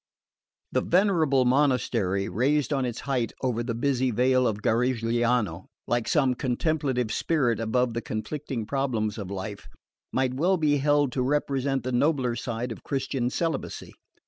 The venerable monastery, raised on its height over the busy vale of Garigliano, like some contemplative spirit above the conflicting problems of life, might well be held to represent the nobler side of Christian celibacy.